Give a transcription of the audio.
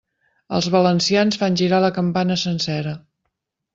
Els valencians fan girar la campana sencera.